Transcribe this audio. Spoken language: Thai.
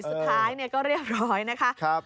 สุดท้ายก็เรียบร้อยนะคะ